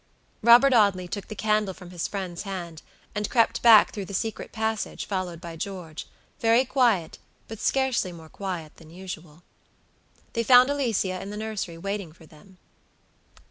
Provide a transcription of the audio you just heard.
Robert Audley took the candle from his friend's hand, and crept back through the secret passage, followed by Georgevery quiet, but scarcely more quiet than usual. They found Alicia in the nursery waiting for them.